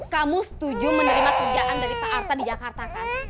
kamu setuju menerima kerjaan dari pak arta di jakarta kan